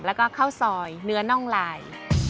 แล้วก็ข้าวซอยเนื้อน่องลาย